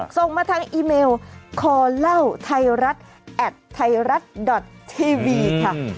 ส่งมาทางอีเมลคอเล่าไทยรัฐแอดไทยรัฐดอททีวีค่ะ